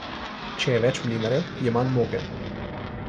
Če je več mlinarjev, je manj moke.